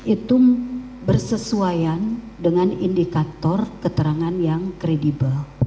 itu bersesuaian dengan indikator keterangan yang kredibel